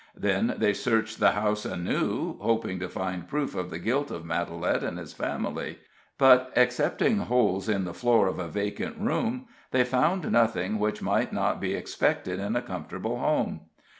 Then they searched the house anew, hoping to find proof of the guilt of Matalette and his family; but, excepting holes in the floor of a vacant room, they found nothing which might not be expected in a comfortable home.